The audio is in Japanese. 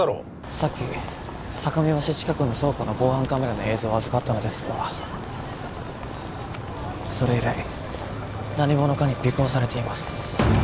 さっき坂見橋近くの倉庫の防犯カメラの映像を預かったのですがそれ以来何者かに尾行されています